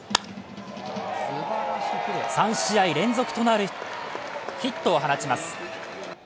３試合連続となるヒットを放ちます。